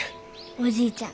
おじいちゃん